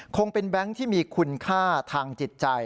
คงเป็นแบงค์ที่มีคุณค่าทางจิตใจ